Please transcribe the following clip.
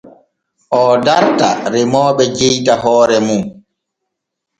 Oo darta remooɓe jewta hoore mum.